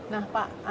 nah pak ansar